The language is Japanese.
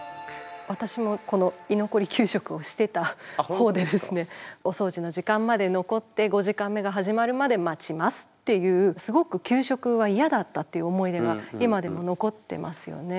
私もこの居残り給食をしてた方でですねお掃除の時間まで残って５時間目が始まるまで待ちますっていうすごく給食は嫌だったっていう思い出が今でも残ってますよね。